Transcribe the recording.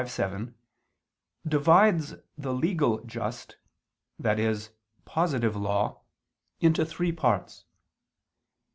v, 7) divides the legal just, i.e. positive law, into three parts.